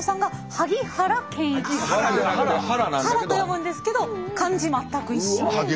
「はら」と読むんですけど漢字全く一緒で。